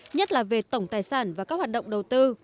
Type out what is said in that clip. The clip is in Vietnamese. nhất là về tổng tài sản và các hoạt động đầu tư